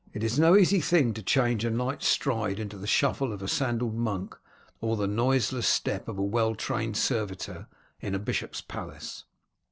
It is no easy thing to change a knight's stride into the shuffle of a sandalled monk, or the noiseless step of a well trained servitor in a bishop's palace."